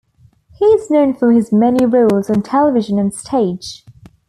He is known for his many roles on television and stage.